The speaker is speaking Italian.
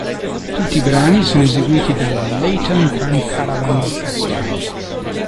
Tutti i brani sono eseguiti dalla Layton Grand Caravan Orchestra.